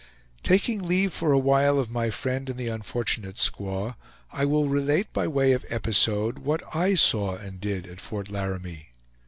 Taking leave for a while of my friend and the unfortunate squaw, I will relate by way of episode what I saw and did at Fort Laramie.